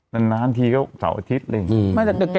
แต่กินก็แม่งอาทิตย์เลย